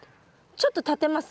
ちょっと立てます？